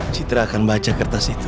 citra akan baca kertas itu